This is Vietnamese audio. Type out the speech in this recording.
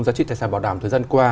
giá trị tài sản bảo đảm thời gian qua